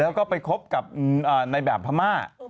แล้วก็ไปคบกับในแบบพม่า